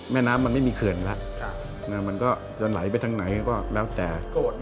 น้ำมันไม่มีเขื่อนแล้วมันก็จะไหลไปทางไหนก็แล้วแต่